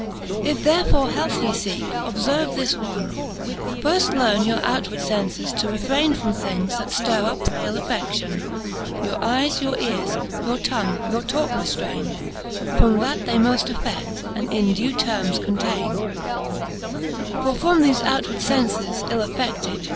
If therefore health ye feeke, obferve this one : Firft learne your outward fences to refraine From things, that ftirre up frail affeAion ; Your eies, your eares, your tongue, your talke reftaine From that they moft affed, and in due termes containe. VIII. For from thofe outward fences ill affeded.